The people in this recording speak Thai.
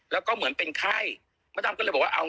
เราขอหยุดติดพิธีกรไปก่อน